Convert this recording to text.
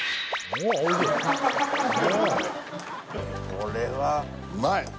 これはうまい！